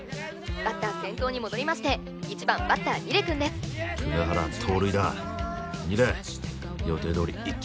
バッター先頭に戻りまして１番バッター楡くんです久我原盗塁だ楡予定どおり１球